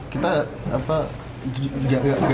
masalah yang ada